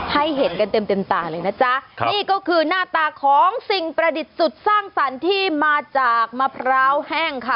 ให้เห็นกันเต็มเต็มตาเลยนะจ๊ะนี่ก็คือหน้าตาของสิ่งประดิษฐ์สุดสร้างสรรค์ที่มาจากมะพร้าวแห้งค่ะ